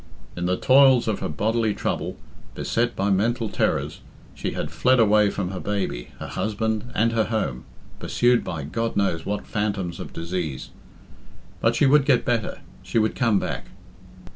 In the toils of her bodily trouble, beset by mental terrors, she had fled away from her baby, her husband, and her home, pursued by God knows what phantoms of disease. But she would get better, she would come back.